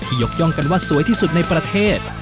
ยกย่องกันว่าสวยที่สุดในประเทศ